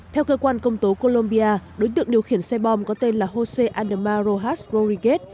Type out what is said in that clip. theo cơ quan công tố colombia đối tượng điều khiển xe bom có tên là josé andemar rojas rodriguez